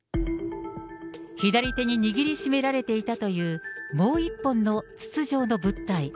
左手に握りしめられていたというもう一本の筒状の物体。